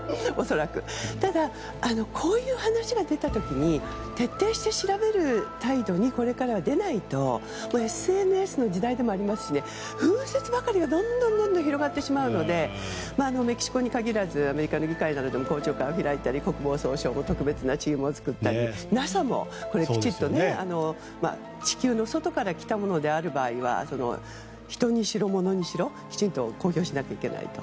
ただ、こういう話が出た時に徹底して調べる態度にこれからは出ないとＳＮＳの時代でもありますし風説ばかりがどんどん広まってしまうのでメキシコに限らずアメリカの議会などでも公聴会を開いたり国防総省も調査チームを作ったりＮＡＳＡもきちんと地球の外から来たものである場合は人にしろ、ものにしろ、きちんと公表しなければならないと。